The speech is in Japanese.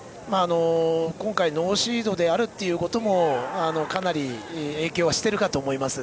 今回ノーシードであることもかなり影響はしているかと思います。